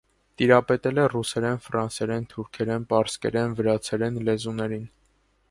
Տիրապետել է ռուսերեն, ֆրանսերեն, թուրքերեն, պարսկերեն, վրացերեն լեզուներին։